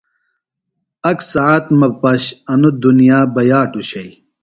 اک ساعت مہ پش انوۡ دنیا بِیاٹوۡ شئی۔